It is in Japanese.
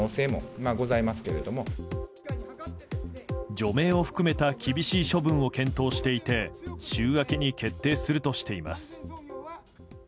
除名を含めた厳しい処分を検討していて週明けに決定するとしています。